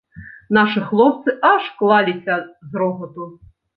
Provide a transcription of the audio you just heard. Нашы хлопцы аж клаліся з рогату.